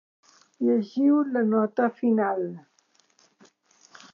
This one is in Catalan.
Llegiu la nota final.